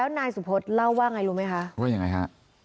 ว่ายังไงนะ